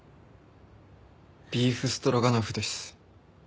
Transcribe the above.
ビーフストロガノフです。